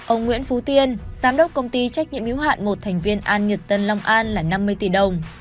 ông nguyễn phú tiên giám đốc công ty trách nhiệm hiếu hạn một thành viên an nhật tân long an là năm mươi tỷ đồng